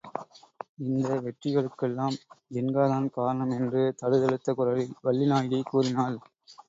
இந்த வெற்றிக்கெல்லாம் ஜின்காதான் காரணம் என்று தழுதழுத்த குரலில் வள்ளிநாயகி கூறினாள்.